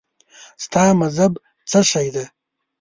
ستا مذهب څه شی دی؟